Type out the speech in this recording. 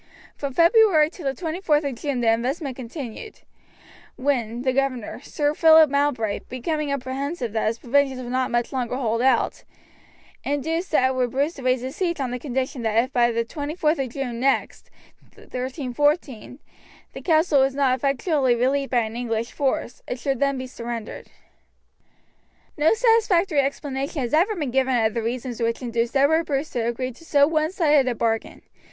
From February till the 24th of June the investment continued, when the governor, Sir Philip Mowbray, becoming apprehensive that his provisions would not much longer hold out, induced Edward Bruce to agree to raise the siege on condition that if by the 24th of June next, 1314, the castle was not effectually relieved by an English force, it should then be surrendered. No satisfactory explanation has ever been given of the reasons which induced Edward Bruce to agree to so one sided a bargain.